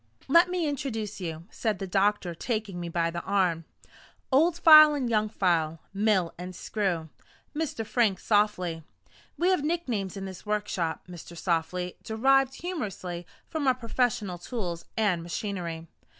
"Let me introduce you," said the doctor, taking me by the arm. "Old File and Young File, Mill and Screw Mr. Frank Softly. We have nicknames in this workshop, Mr. Softly, derived humorously from our professional tools and machinery.